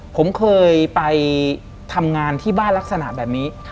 ผมเคยไปทำงานที่บ้านลักษณะแบบนี้